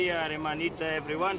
saya berharap semua orang bisa menang